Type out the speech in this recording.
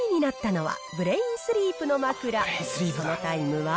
そのタイムは？